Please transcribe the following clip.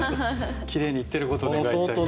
きれいにいってることを願いたいです。